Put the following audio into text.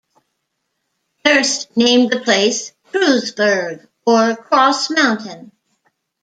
Durst named the place "Kreuzberg" or Cross Mountain.